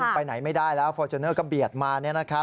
ไปไหนไม่ได้แล้วฟอร์จูเนอร์ก็เบียดมา